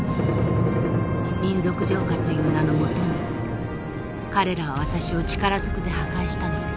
民族浄化という名のもとに彼らは私を力ずくで破壊したのです。